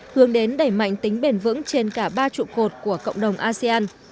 hướng đến đẩy mạnh tính bền vững trên cả ba trụ cột của cộng đồng asean